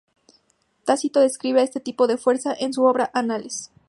Tácito describe a este tipo de fuerza en su obra "Anales".